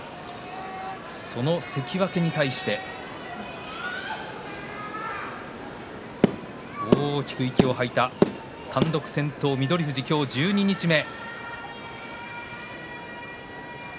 その関脇に対して大きく息を吐いた単独先頭、翠富士今日十二日目。